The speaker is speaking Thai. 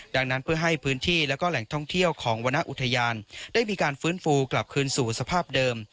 ดังนั้นเพื่อให้พื้นที่และแหล่งท่องเที่ยวของวรรณอุทยานได้มีการฟื้นฟูกลับคืนสู่สภาพเดิม